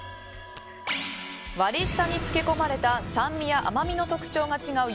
割り下に漬け込まれた酸味や甘みの特徴が違う